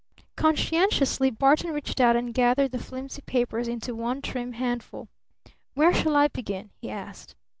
Conscientiously Barton reached out and gathered the flimsy papers into one trim handful. "Where shall I begin?" he asked.